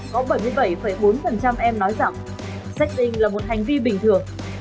có bảy mươi bảy bốn em nói rằng sách vinh là một hành vi bình thường